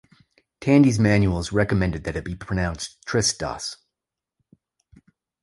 Tandy's manuals recommended that it be pronounced "triss-doss".